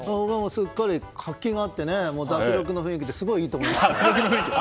すっかり活気があって脱力の雰囲気ですごくいいと思います。